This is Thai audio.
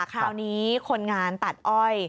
คราวนี้คนงานตัดอ้อย